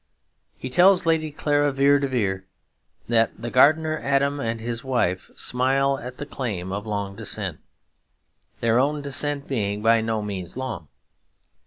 He tells Lady Clara Vere de Vere that 'the gardener Adam and his wife smile at the claim of long descent'; their own descent being by no means long.